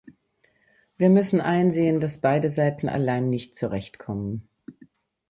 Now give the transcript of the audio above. Wir müssen einsehen, dass beide Seiten allein nicht zurechtkommen.